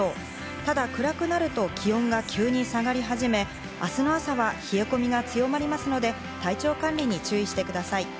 ただ暗くなると気温が急に下がり始め、明日の朝は冷え込みが強まりますので体調管理に注意してください。